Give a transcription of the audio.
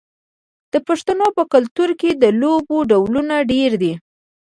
د پښتنو په کلتور کې د لوبو ډولونه ډیر دي.